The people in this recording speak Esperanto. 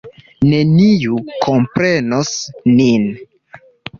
Neniu komprenos nin.